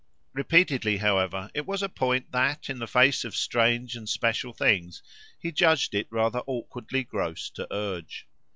Repeatedly, however, it was a point that, in the face of strange and special things, he judged it rather awkwardly gross to urge.